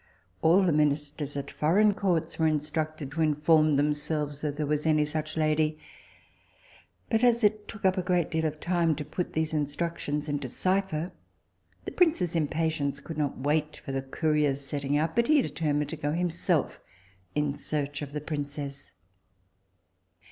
All the ministers at foreign courts were instructed to inform themselves if there was any such lady; but as it took up a great deal of time to put these instructions into cypher, the prince's impatience could not wait for the couriers setting out, but he determined to go himself in search of the princess.